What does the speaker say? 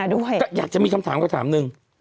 ก็อยากจะมีคำถามคำถามหนึ่ง